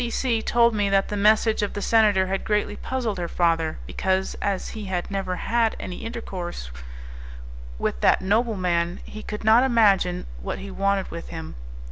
C C told me that the message of the senator had greatly puzzled her father, because, as he had never had any intercourse with that nobleman, he could not imagine what he wanted with him.